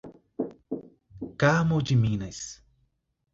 Carmo de Minas